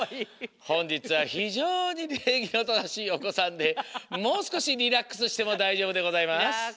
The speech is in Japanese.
ほんじつはひじょうにれいぎのただしいおこさんでもうすこしリラックスしてもだいじょうぶでございます。